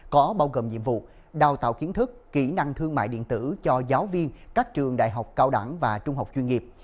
có bao gồm nhiệm vụ đào tạo kiến thức kỹ năng thương mại điện tử cho giáo viên các trường đại học cao đẳng và trung học chuyên nghiệp